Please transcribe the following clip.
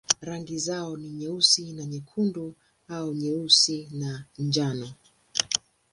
Rangi zao ni nyeusi na nyekundu au nyeusi na njano.